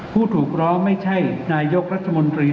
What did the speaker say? ผู้ถูกร้องไม่ใช่นายกรัฐมนตรี